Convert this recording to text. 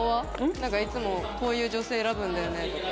なんかいつもこういう女性選ぶんだよねとか。